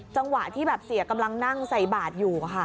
จังหวะที่เสียกำลังนั่งใส่บาดอยู่